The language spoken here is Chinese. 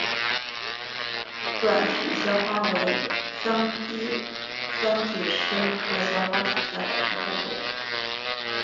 短序鞘花为桑寄生科鞘花属下的一个种。